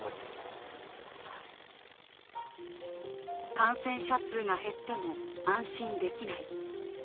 感染者数が減っても安心できない。